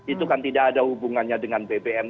itu kan tidak ada hubungannya dengan bbm